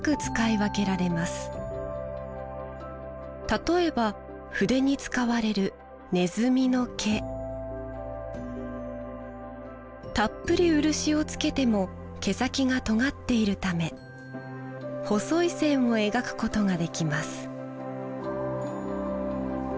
例えば筆に使われるたっぷり漆をつけても毛先がとがっているため細い線を描くことができます